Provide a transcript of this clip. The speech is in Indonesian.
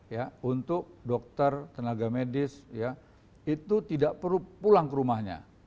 ya untuk dokter tenaga medis ya itu tidak perlu pulang ke rumahnya